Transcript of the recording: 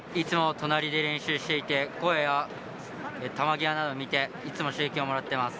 いつも隣で練習していて、声や球際などを見て、いつも刺激をもらっています。